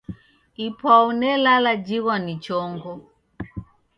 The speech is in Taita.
Ipwau nelala jighwa ni chongo.